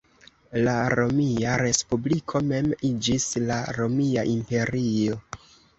La Romia Respubliko mem iĝis la Romia Imperio.